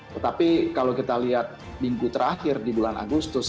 tetapi kalau kita lihat minggu terakhir di bulan agustus